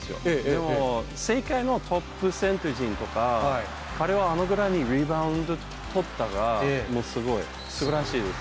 でも、世界のトップ選手たちとか、彼はあのぐらい、リバウンドとったら、もうすごい、すばらしいです。